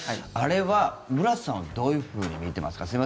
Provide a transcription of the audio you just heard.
あれはブラスさんはどういうふうに見ていますか？